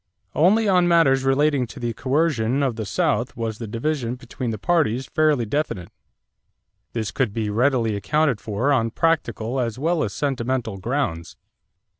Only on matters relating to the coercion of the South was the division between the parties fairly definite; this could be readily accounted for on practical as well as sentimental grounds.